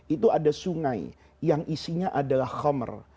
itu ada sungai yang isinya adalah khomer